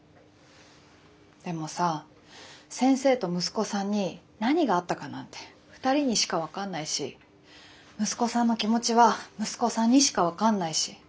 でもさ先生と息子さんに何があったかなんて２人にしか分かんないし息子さんの気持ちは息子さんにしか分かんないし。